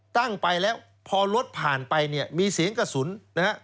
ตั้งไปแล้วพอรถผ่านไปมีเสียงกระสุน